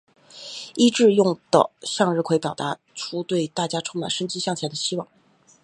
伊秩用向日葵表达出对大家充满生机向前的希望。